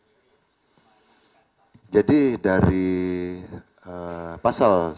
alat bukti apa yang anda ingin membuat sendiri